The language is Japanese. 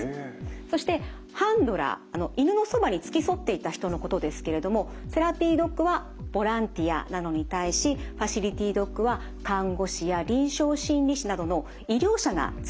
そしてハンドラー犬のそばに付き添っていた人のことですけれどもセラピードッグはボランティアなのに対しファシリティドッグは看護師や臨床心理士などの医療者がつきます。